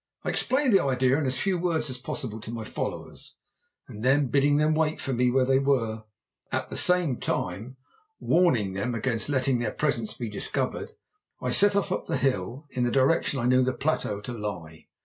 I explained the idea in as few words as possible to my followers, and then, bidding them wait for me where they were, at the same time warning them against letting their presence be discovered, I set off up the hill in the direction I knew the plateau to lie.